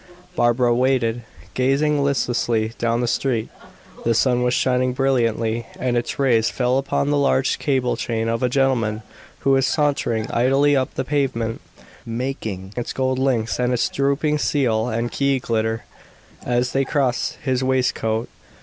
Barbara waited, gazing listlessly down the street. The sun was shining brilliantly, and its rays fell upon the large cable chain of a gentleman who was sauntering idly up the pavement, making its gold links and its drooping seal and key glitter, as they crossed his waistcoat.